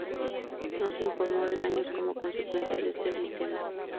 No se informó de daños como consecuencia de este sistema.